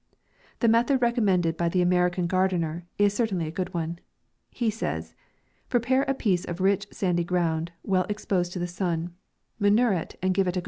The method recommended by the Ameri can Gardener is certainly a good one. He says, " Prepare a piece of rich sandy ground, well exposed to the sun : manure it and give it a \n may.